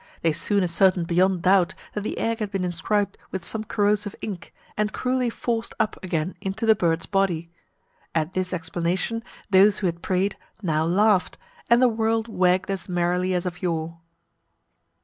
They soon ascertained beyond doubt that the egg had been inscribed with some corrosive ink, and cruelly forced up again into the bird's body. At this explanation, those who had prayed, now laughed, and the world wagged as merrily as of yore.